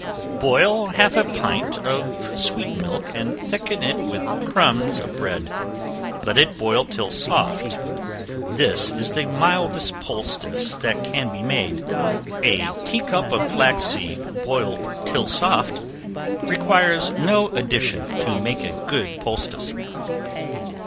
Boil half a pint of sweet milk, and thicken it with crumbs of bread; let it boil till soft. This is the mildest poultice that can be made. A tea cup of flaxseed boiled till soft, requires no addition to make a good poultice.